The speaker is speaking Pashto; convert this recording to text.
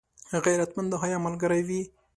غیرتمند د حیا ملګری وي